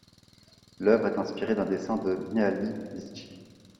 L'œuvre est inspirée d'un dessin de Mihály Zichy.